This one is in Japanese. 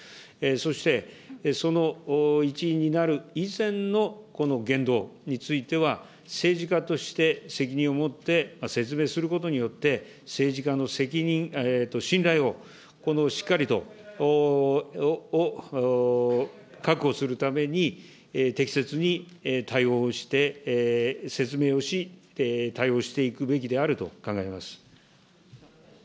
そして、その一員になる以前のこの言動については、政治家として責任を持って説明することによって、政治家の責任、信頼をしっかりと確保するために、適切に対応して、説明をし、対応していくべきであると考えます。